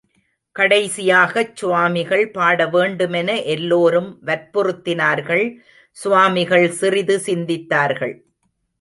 கடைசியாகச் சுவாமிகள் பாட வேண்டுமென எல்லோரும் வற்புறுத்தினார்கள் சுவாமிகள் சிறிது சிந்தித்தார்கள்.